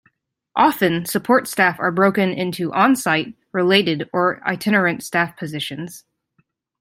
Often support staff are broken into on-site, related, or itinerant staff positions.